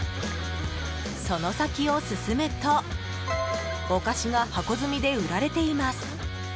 その先を進むとお菓子が箱積みで売られています。